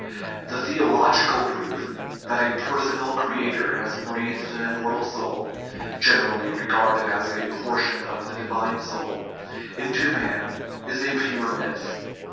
The theological proof that a personal creator has breathed an immor tal soul (generally regarded as a portion of the divine soul) into man is a pure myth.